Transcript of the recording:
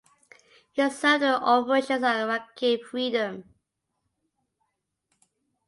He served during Operation Iraqi Freedom.